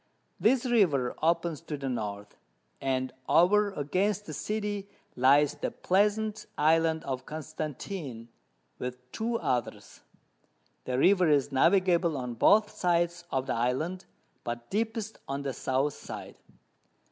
This River opens to the North, and over against the City lies the pleasant Island of Constantine, with two others; the River is navigable on both sides of the Island, but deepest on the South side.